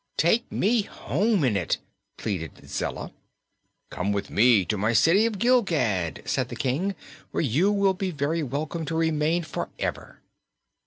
"Take me home in it!" pleaded Zella. "Come with me to my City of Gilgad," said the King, "where you will be very welcome to remain forever."